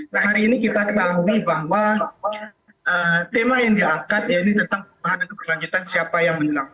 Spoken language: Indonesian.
nah hari ini kita ketahui bahwa tema yang diangkat ya ini tentang perubahan dan keberlanjutan siapa yang menolak